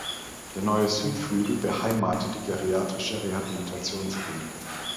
Der neue Südflügel beheimatet die geriatrische Rehabilitationsklinik.